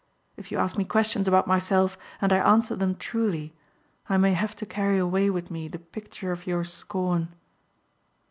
If you ask me questions about myself and I answer them truly I may have to carry away with me the picture of your scorn.